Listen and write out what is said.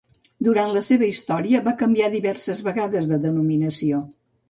Durant la seva història va canviar diverses vegades de denominació.